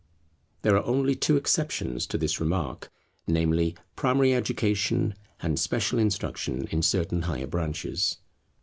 There are only two exceptions to this remark, namely, primary education, and special instruction in certain higher branches.